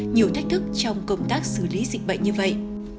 nhiều thách thức trong công tác xử lý dịch bệnh như vậy